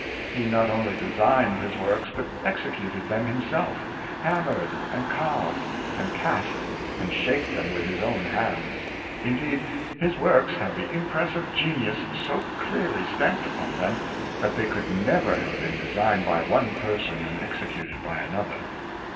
He not only designed his works, but executed them himself — hammered and carved, and cast and shaped them with his own hands. Indeed, his works have the impress of genius so clearly stamped upon them, that they could never have been designed by one person and executed by another.